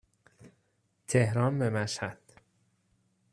تهران به مشهد